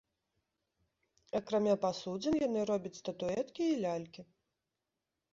Акрамя пасудзін яны робяць статуэткі і лялькі.